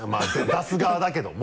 出す側だけども。